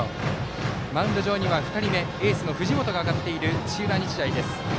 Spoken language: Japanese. マウンド上には２人目エースの藤本が上がっている土浦日大です。